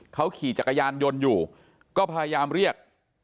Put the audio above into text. เขาขี่จักรยานยนต์อยู่ก็พยายามเรียก